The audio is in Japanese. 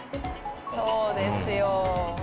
そうですよ。